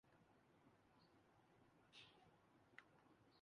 مسئلہ کشمیر کے تمام روایتی حل ناکام ہو چکے ہیں۔